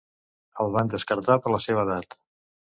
El van descartar per la seva edat.